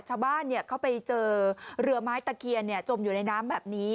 ชาวบ้านเขาไปเจอเรือไม้ตะเคียนจมอยู่ในน้ำแบบนี้